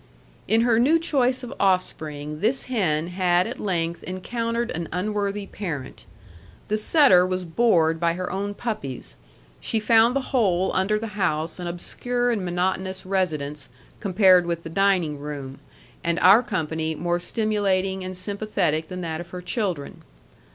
In her new choice of offspring, this hen had at length encountered an unworthy parent. The setter was bored by her own puppies. She found the hole under the house an obscure and monotonous residence compared with the dining room, and our company more stimulating and sympathetic than that of her children.